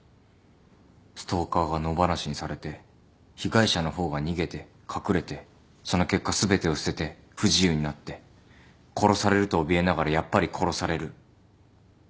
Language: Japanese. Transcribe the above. ストーカーが野放しにされて被害者の方が逃げて隠れてその結果全てを捨てて不自由になって殺されるとおびえながらやっぱり殺される。